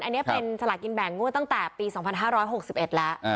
อันนี้เป็นสลากกินแบ่งงวดตั้งแต่ปี๒๕๖๑แล้ว